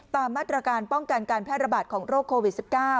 ตามมาตรการป้องกันการแพร่ระบาดของโรคโควิด๑๙